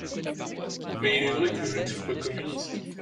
Mais il est vrai que je ne suis pas communiste.